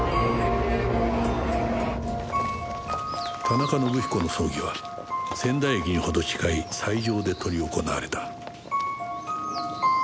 田中伸彦の葬儀は仙台駅にほど近い斎場で執り行われた